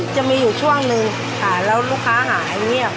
จะมีอยู่ช่วงนึงค่ะแล้วลูกค้าหายเงียบ